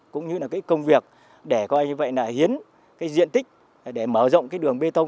cũng như là cái công việc để coi như vậy là hiến cái diện tích để mở rộng cái đường bê tông